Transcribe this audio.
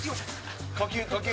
呼吸呼吸。